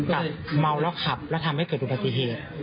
กับเมาแล้วขับแล้วทำให้เกิดอุบัติเหตุ